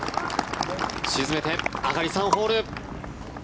沈めて、上がり３ホール。